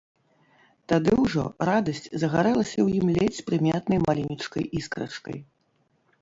Тады ўжо радасць загарэлася ў ім ледзь прыметнай маленечкай іскрачкай.